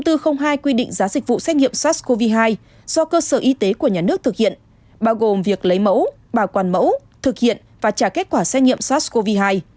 thông tin bốn trăm linh hai quy định giá dịch vụ xét nghiệm sars cov hai do cơ sở y tế của nhà nước thực hiện bao gồm việc lấy mẫu bảo quản mẫu thực hiện và trả kết quả xét nghiệm sars cov hai